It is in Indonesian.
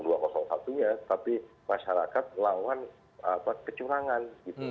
ini bukan soal dua atau satu nya tapi masyarakat melawan kecurangan